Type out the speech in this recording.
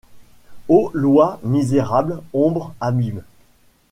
ô loi misérable ! ombre ! abîme !—